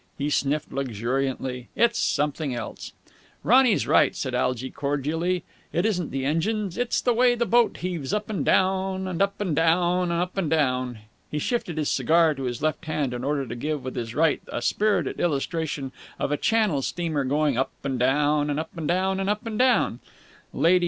He sniffed, luxuriantly. "It's something else." "Ronny's right," said Algy cordially. "It isn't the engines. It's the way the boat heaves up and down and up and down and up and down...." He shifted his cigar to his left hand in order to give with his right a spirited illustration of a Channel steamer going up and down and up and down and up and down.